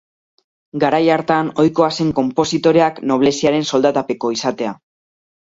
Garai hartan, ohikoa zen konpositoreak nobleziaren soldatapeko izatea.